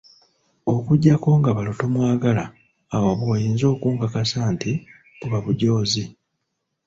Okuggyako nga balo tomwagala awo bw'oyinza okunkakasa nti buba bujoozi.